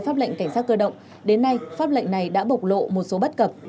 pháp lệnh cảnh sát cơ động đến nay pháp lệnh này đã bộc lộ một số bất cập